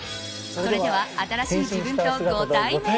それでは新しい自分とご対面！